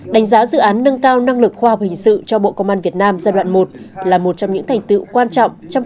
đánh giá dự án nâng cao năng lực khoa học hình sự cho bộ công an việt nam giai đoạn một là một trong những thành tựu quan trọng trong